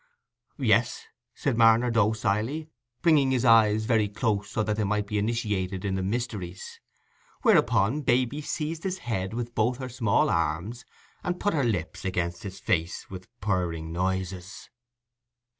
"Yes," said Marner, docilely, bringing his eyes very close, that they might be initiated in the mysteries; whereupon Baby seized his head with both her small arms, and put her lips against his face with purring noises.